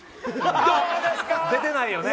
出てないよね。